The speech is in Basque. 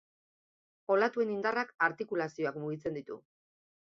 Olatuen indarrak artikulazioak mugitzen ditu.